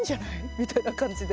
みたいな感じで。